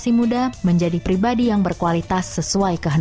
inilah mimbar suara pengharapan